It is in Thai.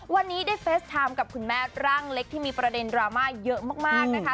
วันนี้ได้เฟสไทม์กับคุณแม่ร่างเล็กที่มีประเด็นดราม่าเยอะมากนะคะ